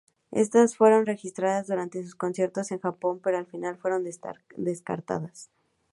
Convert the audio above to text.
Estas fueron registradas durante sus conciertos en Japón, pero al final fueron descartadas.